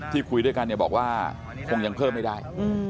คุยด้วยกันบอกว่าคงยังเพิ่มไม่ได้